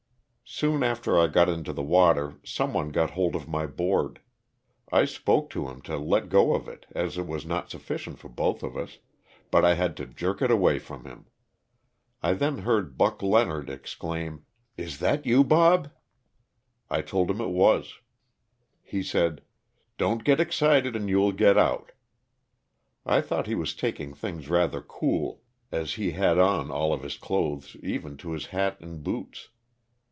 Soon after I got into the water some one got hold of my board. I spoke to him to let go of it, as it was not sufficient for both of us, but I had to jerk it away from him. I then heard Buck Leonard exclaim, "Is that you, Bob ?" I told him it was. He said, *' Don't get excited and you will get out." I thought he was taking things rather cool, as he had on all of his clothes, even to his hat and boots.